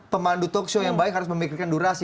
pemandu talkshow yang baik harus memikirkan durasi